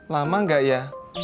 lama gak ya